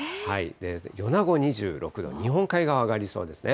米子２６度、日本海側が上がりそうですね。